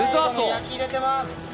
焼き入れてます！